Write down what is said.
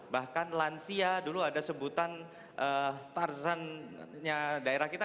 bahkan lansia dulu ada sebutan tarzan daerah kita